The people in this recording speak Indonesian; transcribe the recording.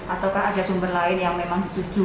ataukah ada sumber lain yang memang dituju